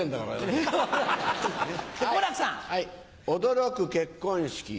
驚く結婚式。